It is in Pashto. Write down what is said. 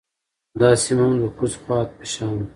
دا سیمه هم د کوز خوات په شان